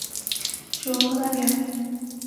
四元数都只是有限维的实数结合除法代数。